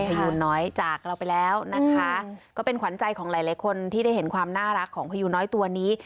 พยูนน้อยจากเราไปแล้วนะคะก็เป็นขวัญใจของหลายหลายคนที่ได้เห็นความน่ารักของพยูน้อยตัวนี้